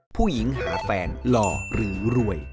ผู้หญิงหาแฟนหล่อหรือรวย